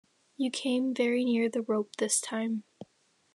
You came very near the rope this time.